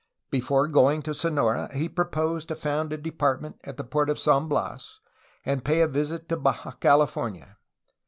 Before going to Sonora he proposed to found a depart ment at the port of San Bias and pay a visit to Baja Cali fornia.